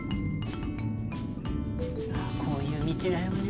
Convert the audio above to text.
あっこういう道だよね。